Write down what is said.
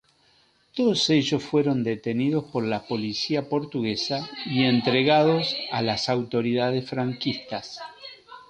Todos ellos fueron detenidos por la policía portuguesa y entregados a las autoridades franquistas.